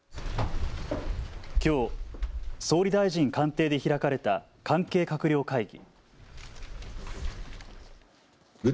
きょう、総理大臣官邸で開かれた関係閣僚会議。